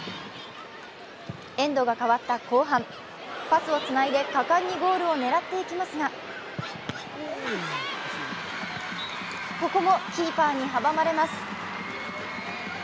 エンドが変わった後半パスをつないで果敢にゴールを狙っていきますがここもキーパーに阻まれます。